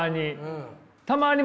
たまに。